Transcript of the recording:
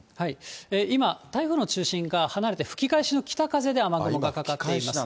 今、台風の中心が離れて吹き返しの北風で雨雲がかかっています。